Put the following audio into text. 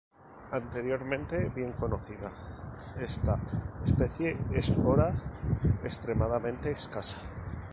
Anteriormente bien conocida, esta especie es hora extremadamente escasa.